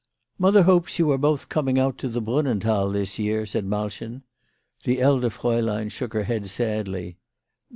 "Mother hopes you are both coming out to the Brunnenthal this year/' said Malchen. The elder fraulein shook her head sadly.